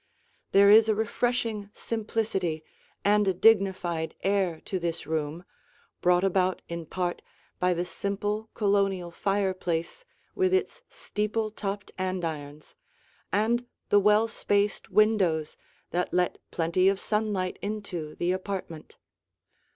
There is a refreshing simplicity and a dignified air to this room, brought about in part by the simple Colonial fireplace with its steeple topped andirons, and the well spaced windows that let plenty of sunlight into the apartment.